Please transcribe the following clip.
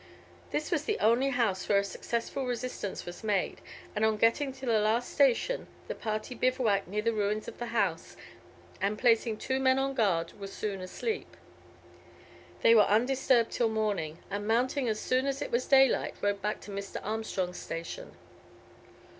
This was the only house where a successful resistance was made, and on getting to the last station the party bivouacked near the ruins of the house, and, placing two men on guard, were soon asleep. They were undisturbed till morning, and mounting as soon as it was daylight, rode back to Mr. Armstrong's station.